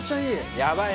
やばいな。